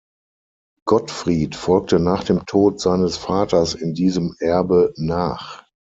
Gottfried folgte nach dem Tod seines Vaters in diesem Erbe nach.